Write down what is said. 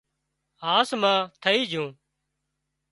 هاس مان ٿئي جھون